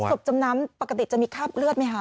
จมน้ำปกติจะมีคราบเลือดไหมคะ